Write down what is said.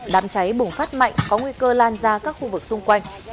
đám cháy bùng phát mạnh có nguy cơ lan ra các khu vực xung quanh